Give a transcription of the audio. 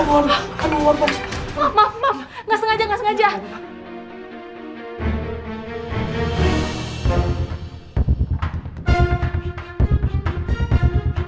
maaf maaf maaf gak sengaja gak sengaja